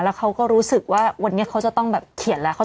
แล้วเขาก็รู้สึกว่าวันนี้เขาจะต้องแบบเขียนแล้ว